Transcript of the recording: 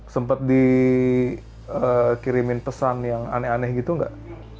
sempat dikirimin pesan yang aneh aneh gitu nggak